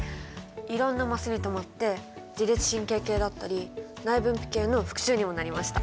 いろんなマスに止まって自律神経系だったり内分泌系の復習にもなりました。